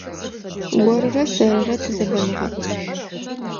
Орырэ сэрырэ тызэбэныгъэп.